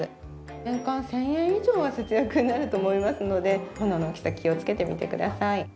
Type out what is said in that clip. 年間１０００円以上は節約になると思いますので炎の大きさ気をつけてみてください。